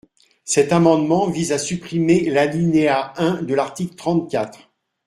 Cet amendement vise à supprimer l’alinéa un de l’article trente-quatre.